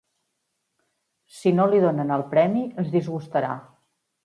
Si no li donen el premi es disgustarà.